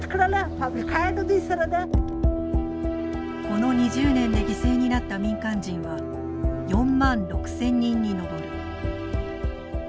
この２０年で犠牲になった民間人は４万６，０００人に上る。